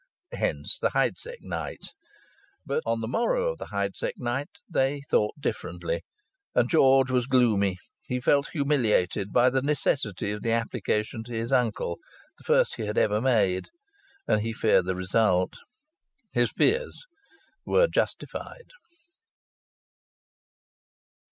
Hence the Heidsieck night. But on the morrow of the Heidsieck night they thought differently. And George was gloomy. He felt humiliated by the necessity of the application to his uncle the first he had ever made. And he feared the result. His fears were justified.